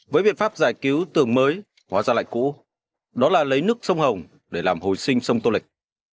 với biện pháp giải cứu tường mới hóa ra lại cũ đó là lấy nước sông hồng để làm hồi sinh sông tô lịch